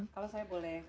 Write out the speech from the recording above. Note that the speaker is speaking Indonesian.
kalau saya boleh